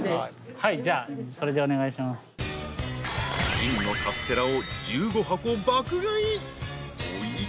［金のカステラを１５箱爆買い］